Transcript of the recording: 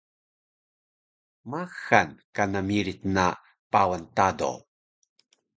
Maxal kana miric na Pawan Tado